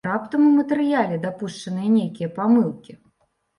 Раптам у матэрыяле дапушчаныя нейкія памылкі!